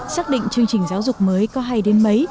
xác định chương trình giáo dục mới có hay đến mấy